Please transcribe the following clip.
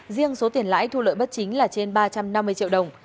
riêng số tiền lãi thu lợi bất chính là trên ba trăm năm mươi triệu đồng